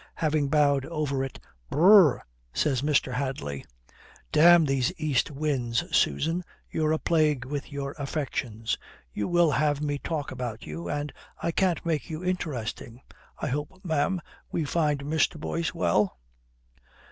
Having bowed over it. "B r r r," says Mr. Hadley. "Damn these east winds. Susan, you're a plague with your affections. You will have me talk about you, and I can't make you interesting, I hope, ma'am, we find Mr. Boyce well?"